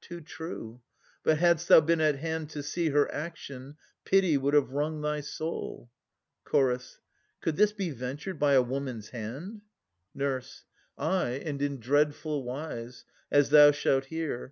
Too true. But hadst thou been at hand to see Her action, pity would have wrung thy soul. CH. Could this be ventured by a woman's hand? NUR. Ay, and in dreadful wise, as thou shalt hear.